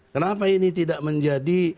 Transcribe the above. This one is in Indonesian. kenapa ini tidak menjadi